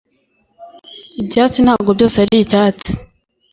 ibyatsi ntago byose aricyatsi.